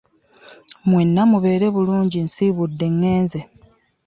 Mwenna mubeere bulunji nsibudde ngeze.